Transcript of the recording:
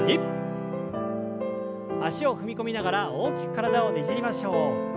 脚を踏み込みながら大きく体をねじりましょう。